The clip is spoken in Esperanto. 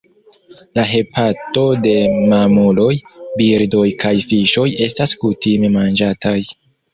La hepato de mamuloj, birdoj kaj fiŝoj estas kutime manĝataj.